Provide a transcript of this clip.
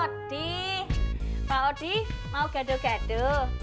eh pak odi pak odi mau gaduh gaduh